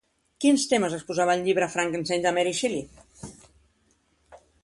Quins temes exposava el llibre Frankenstein de Mary Shelley?